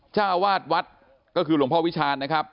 เจ้าวาดวัดก็คือหลวงพ่อวิชาญนะครับ